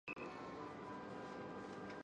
My castle was the most nearly realized of all.